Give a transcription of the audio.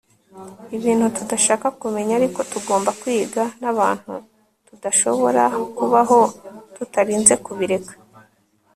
ibintu tudashaka kumenya ariko tugomba kwiga, n'abantu tudashobora kubaho tutarinze kubireka